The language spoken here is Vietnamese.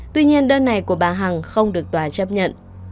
tuy nhiên đơn này của bà hằng không được tòa chấp nhận